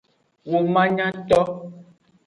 Womanyato.